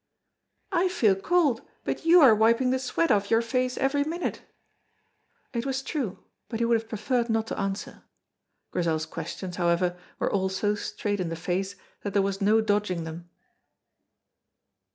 "I feel cold, but you are wiping the sweat off your face every minute." It was true, but he would have preferred not to answer. Grizel's questions, however, were all so straight in the face, that there was no dodging them.